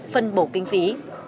phân bổ kinh phí